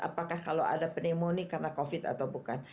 apakah kalau ada penimunan karena covid sembilan belas atau bukan